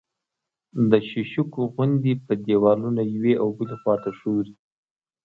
د شیشکو غوندې په دېوالونو یوې او بلې خوا ته ښوري